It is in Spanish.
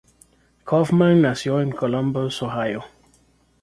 Kaufman nació en Columbus, Ohio.